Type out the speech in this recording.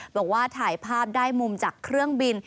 บอกว่าถ่ายภาพได้มุมจากเครื่องบิน